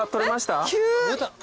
急！